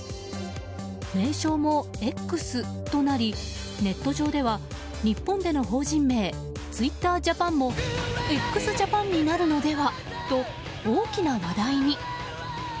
名称もＸとなり、ネット上では日本での法人名ツイッタージャパンもＸジャパンになるのではと大きな話題に。